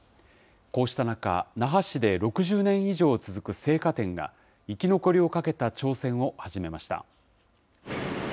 こうした中、那覇市で６０年以上続く青果店が生き残りをかけた挑戦を始めました。